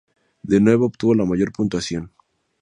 De nuevo, obtuvo la mayor puntuación.